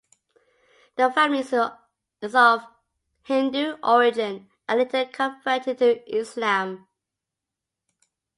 The family is of Hindu origin and later converted to Islam.